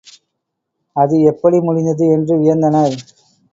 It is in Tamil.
அது எப்படி முடிந்தது? என்று வியந்தனர்.